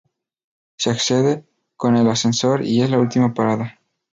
Se accede con el ascensor y es la última parada.